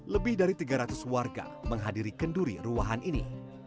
lebih dari tiga ratus warga menghadiri kenduri ruahan ini